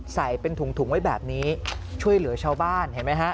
ใส่เป็นถุงถุงไว้แบบนี้ช่วยเหลือชาวบ้านเห็นไหมฮะ